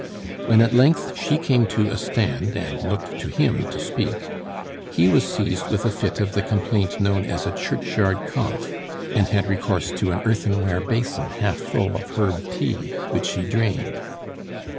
When at length she came to a stand and looked to him to speak, he was seized with a fit of the complaint known as a "churchyard cough," and had recourse to an earthenware basin half full of herb tea, which he drained.